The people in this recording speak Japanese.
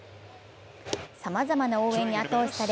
さまざまな応援に後押しされ